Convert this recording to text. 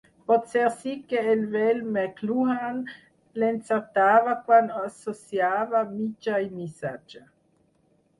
Potser sí que el vell McLuhan l'encertava quan associava mitjà i missatge.